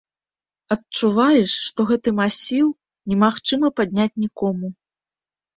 Адчуваеш, што гэты масіў немагчыма падняць нікому.